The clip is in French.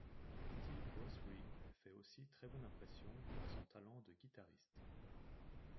Steve Rothery fait aussi très bonne impression par son talent de guitariste.